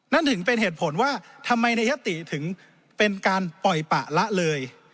นั่นถึงเป็นเหตุผลว่าทำไมในยติถึงเป็นการปล่อยปะละเลย